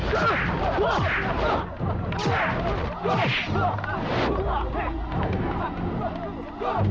ternyata dari dulu kau tak pernah buang